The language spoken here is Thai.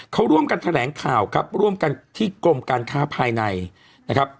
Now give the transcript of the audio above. เขาร่วมกันแถลงข่าวครับร่วมกันที่กรมการค้าภายในนะครับ